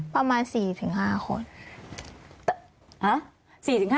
ประมาณ๔๕คน